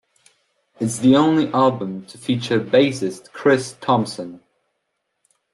It's the only album to feature bassist Chris Thomson.